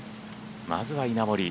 まずは稲森